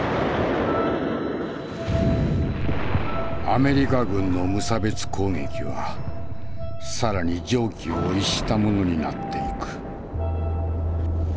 アメリカ軍の無差別攻撃は更に常軌を逸したものになっていく。